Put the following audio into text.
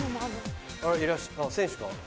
選手か。